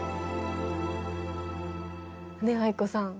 ねえ藍子さん